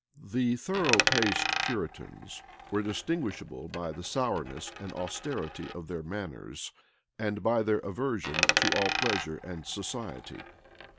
The thorough paced Puritans were distinguishable by the sourness and austerity of their manners, and by their aversion to all pleasure and society.